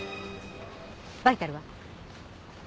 バイタルは？